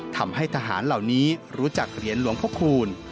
ทำให้ทหารเหล่านี้รู้จักเหรียญหลวงพระคูณ